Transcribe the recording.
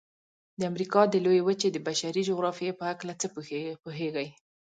د امریکا د لویې وچې د بشري جغرافیې په هلکه څه پوهیږئ؟